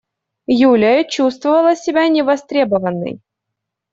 Юлия чувствовала себя невостребованной.